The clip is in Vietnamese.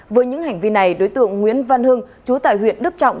với những hành vi này đối tượng nguyễn văn hưng chú tại huyện đức trọng